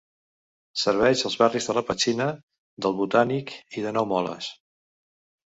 Serveix els barris de la Petxina, del Botànic i de Nou Moles.